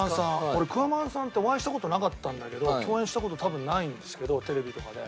俺くわまんさんってお会いした事なかったんだけど共演した事多分ないんですけどテレビとかで。